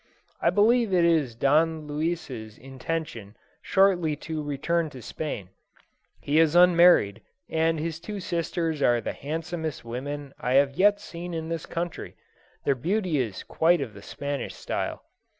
I believe it is Don Luis's intention shortly to return to Spain. He is unmarried, and his two sisters are the handsomest women I have yet seen in this country; their beauty is quite of the Spanish style.